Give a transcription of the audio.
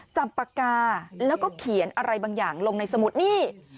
จับปากกาแล้วก็เขียนอะไรบางอย่างลงในสมุดนี่